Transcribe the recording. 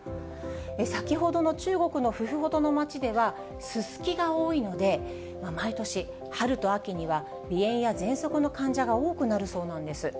先ほどの中国のフフホトの街では、ススキが多いので、毎年、春と秋には鼻炎やぜんそくの患者が多くなるそうなんです。